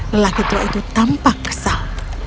lelaki tua itu tampak kesal